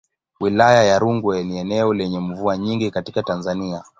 Wilaya ya Rungwe ni eneo lenye mvua nyingi katika Tanzania.